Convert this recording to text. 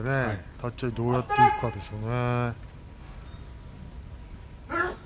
立ち合いどうやっていくかですね。